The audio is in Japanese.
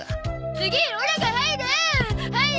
次オラが入る入る。